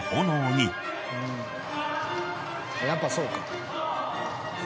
やっぱそうか。